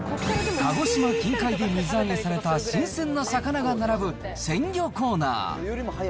鹿児島近海で水揚げされた新鮮な魚が並ぶ鮮魚コーナー。